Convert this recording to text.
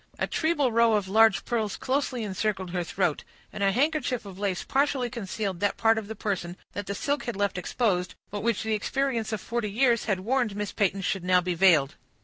A treble row of large pearls closely encircled her throat; and a handkerchief of lace partially concealed that part of the person that the silk had left exposed, but which the experience of forty years had warned Miss Peyton should now be veiled.